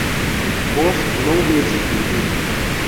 vos no hubieses vivido